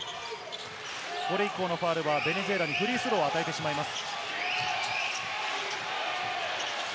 これ以降のファウルはベネズエラにフリースローを与えてしまいます。